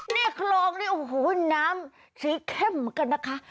นี่คลองน้ำสีเข้มเหมือนกันนะคะ